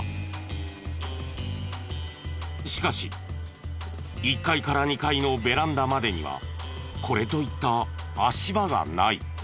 しかし１階から２階のベランダまでにはこれといった足場がない。